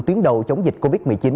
tuyến đầu chống dịch covid một mươi chín